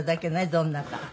どんなか。